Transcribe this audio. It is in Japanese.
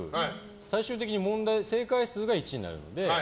最終的に正解数が１位になるので。